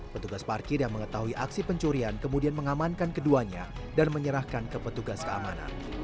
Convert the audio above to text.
petugas parkir yang mengetahui aksi pencurian kemudian mengamankan keduanya dan menyerahkan ke petugas keamanan